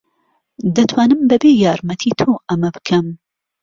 دەتوانم بەبێ یارمەتیی تۆ ئەمە بکەم.